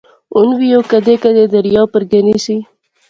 ہن وی او کیدے کیدے دریا اپر گینی سی